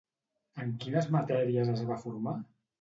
En quines matèries es va formar?